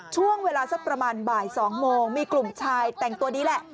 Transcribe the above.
ช่วงเวลาสักประมาณบ่าย๒โมงมีกลุ่มชายแต่งตัวนี้แหละ